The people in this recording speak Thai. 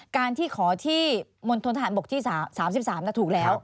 การที่ขอที่มณฑนทหารบกที่๓๓ถูกแล้ว